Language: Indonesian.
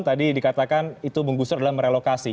tadi dikatakan itu menggusur adalah merelokasi